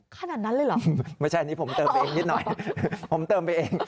ขนาดนั้นเลยเหรอไม่ใช่อันนี้ผมเติมเองนิดหน่อยผมเติมไปเอง